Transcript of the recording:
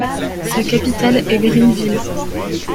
Sa capitale est Greenville.